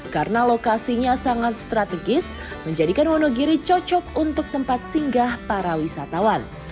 karena lokasinya sangat strategis menjadikan wonogiri cocok untuk tempat singgah para wisatawan